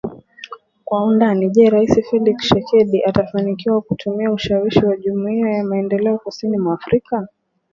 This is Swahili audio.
Kwa Undani Je rais Felix Tshisekedi atafanikiwa kutumia ushawishi wa Jumuiya ya Maendeleo Kusini mwa Afrika